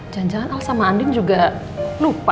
jangan jangan al sama andin juga lupa